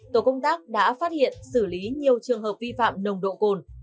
tổ công tác đã phát hiện xử lý nhiều trường hợp vi phạm nồng độ cồn